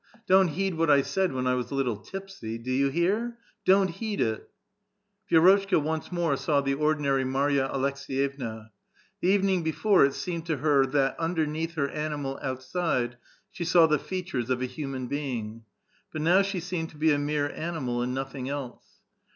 Don't heed what I said when I was a little tipsy ; do you hear ? don't heed it !" Vi^rotchka once more saw the ordinary Marja Aleks^yevna. The evening: before it seemed to her that underneath her ^ animal outside she saw the features of a human being ; but now she seemed to be a mere animal and nothing else.